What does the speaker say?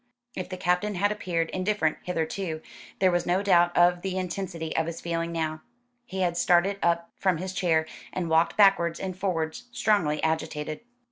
If the Captain had appeared indifferent hitherto, there was no doubt of the intensity of his feeling now. He had started up from his chair, and walked backwards and forwards, strongly agitated.